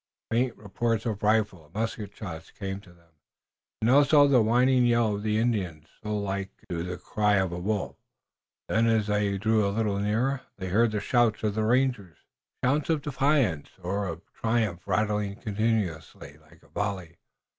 Faint reports of rifle and musket shots came to them, and also the long whining yell of the Indians, so like, in the distance, to the cry of a wolf. Then, as they drew a little nearer they heard the shouts of the rangers, shouts of defiance or of triumph rattling continuously like a volley.